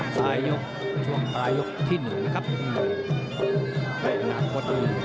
สายยกช่วงปลายยกที่หนึ่งนะครับ